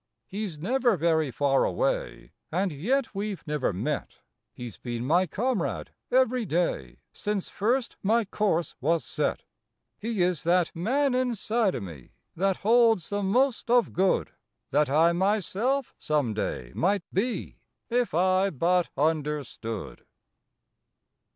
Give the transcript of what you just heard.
He s never very far away, And yet we ve never met He s been my comrade every day Since first my course was set. He is that man inside o me That holds the most of good That I myself some day might be If I but understood.